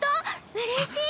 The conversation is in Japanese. うれしい！